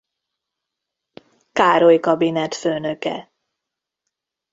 Károly kabinetfőnöke.